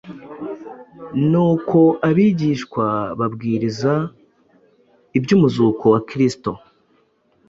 Nuko abigishwa babwiriza iby’umuzuko wa Kristo.